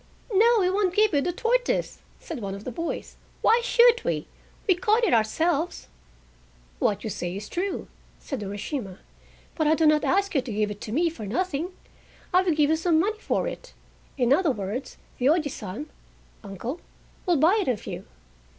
"No, we won't give you the tortoise," said one of the boys. "Why should we? We caught it ourselves." "What you say is true," said Urashima, "but I do not ask you to give it to me for nothing. I will give you some money for it—in other words, the Ojisan (Uncle) will buy it of you.